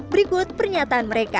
berikut pernyataan mereka